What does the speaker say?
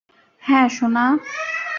হ্যাঁ, সোনা?